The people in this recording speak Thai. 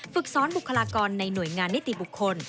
ฝึกซ้อนบุคลากรในหน่วยงานนิติบุคคล